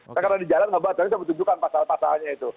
nah kalau di jalan nggak bahas tapi saya butuhkan pasal pasalnya itu